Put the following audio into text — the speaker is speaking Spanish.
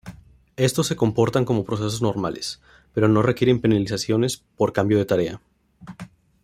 Éstos se comportan como procesos normales, pero no requieren penalizaciones por cambio de tarea.